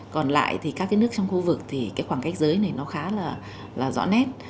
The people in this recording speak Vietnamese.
còn lại thì các cái nước trong khu vực thì cái khoảng cách giới này nó khá là rõ nét